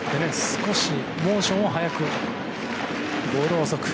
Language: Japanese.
少し、モーションを速くボールは遅く。